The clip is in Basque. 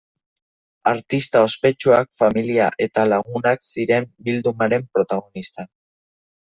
Artista ospetsuak, familia eta lagunak ziren bildumaren protagonista.